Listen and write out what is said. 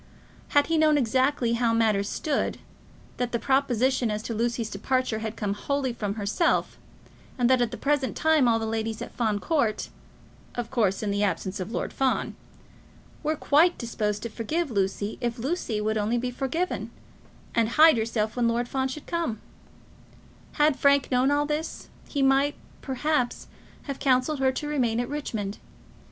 Had he known exactly how matters stood, that the proposition as to Lucy's departure had come wholly from herself, and that at the present time all the ladies at Fawn Court, of course, in the absence of Lord Fawn, were quite disposed to forgive Lucy if Lucy would only be forgiven, and hide herself when Lord Fawn should come; had Frank known all this, he might, perhaps, have counselled her to remain at Richmond.